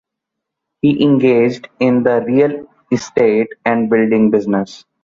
He engaged in the real estate and building business.